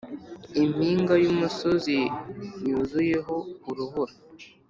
impinga yumusozi yuzuyeho urubura.